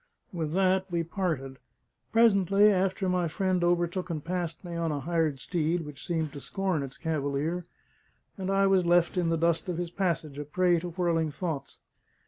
With that we parted. Presently after my friend overtook and passed me on a hired steed which seemed to scorn its cavalier; and I was left in the dust of his passage, a prey to whirling thoughts.